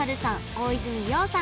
大泉洋さん